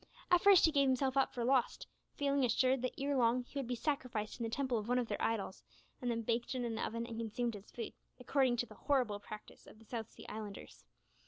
At first he gave himself up for lost, feeling assured that ere long he would be sacrificed in the temple of one of their idols, and then baked in an oven and consumed as food, according to the horrible practice of the South Sea Islanders.